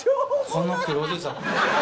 このプロデューサー。